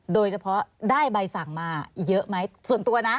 โดยเฉพาะได้ใบสั่งมาเยอะไหมส่วนตัวนะ